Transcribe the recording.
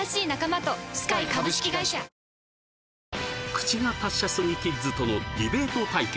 口が達者スギキッズとのディベート対決